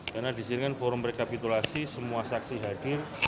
karena di sini kan forum rekapitulasi semua saksi hadir